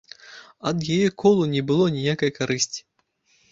Ад яе колу не было ніякай карысці.